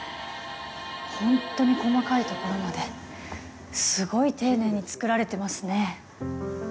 本当に細かいところまですごい丁寧に造られてますね。